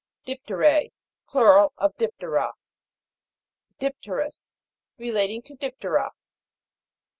DIP'TERA. Plural of Dip'tera. DIP'TEROUS. Relating to Dip'tera.